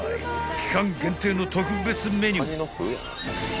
［期間限定の特別メニュー］